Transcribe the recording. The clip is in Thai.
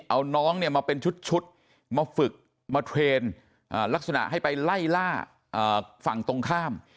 เอาน้องเนี่ยมาเป็นชุดมาฝึกมาเทรนด์ลักษณะให้ไปไล่ล่าฝั่งตรงข้าม